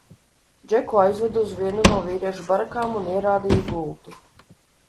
Džeku aizveda uz vienu no vīriešu barakām un ierādīja gultu.